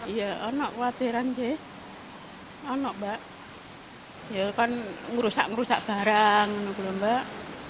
ya enak khawatiran sih enak mbak ya kan merusak merusak barang enak belum mbak